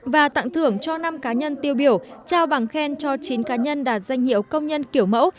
và tặng thưởng cho năm cá nhân tiêu biểu trao bằng khen cho chín cá nhân đạt danh hiệu công nhân kiểu mẫu